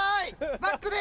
バックで！